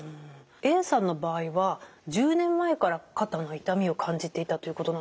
Ａさんの場合は１０年前から肩の痛みを感じていたということなんですけど